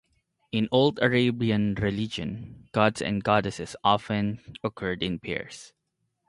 In old Arabian religion, gods and goddesses often occurred in pairs.